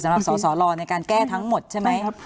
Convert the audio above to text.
สำหรับสสลในการแก้ทั้งหมดใช่ไหม